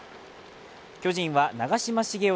巨人は長嶋茂雄